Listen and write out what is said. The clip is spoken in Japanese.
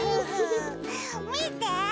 みて！